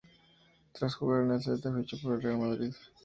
Tras jugar en el Celta, fichó por el Real Madrid.